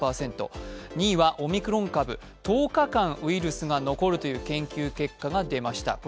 ２位はオミクロン株、１０日間ウイルスが残るという研究結果が出ました。